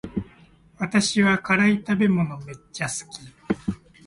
私は辛い食べ物めっちゃ好き